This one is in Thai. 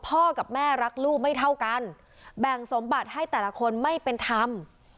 กับแม่รักลูกไม่เท่ากันแบ่งสมบัติให้แต่ละคนไม่เป็นธรรม